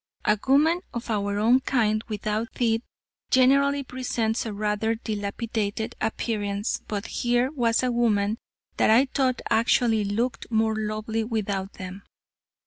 A woman of our own kind without teeth generally presents a rather dilapidated appearance, but here was a woman that I thought actually looked more lovely without them.